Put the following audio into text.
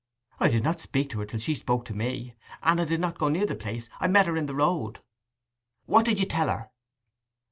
'I did not speak to her till she spoke to me. And I did not go near the place. I met her in the road.' 'What did you tell her?